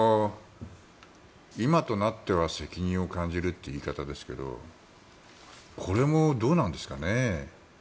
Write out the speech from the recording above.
今となっては責任を感じるという言い方ですがこれもどうなんですかね。